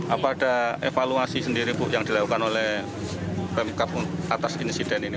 apa ada evaluasi sendiri bu yang dilakukan oleh pemkap atas insiden ini